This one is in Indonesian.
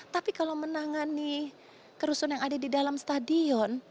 tapi kalau menangani kerusuhan yang ada di dalam stadion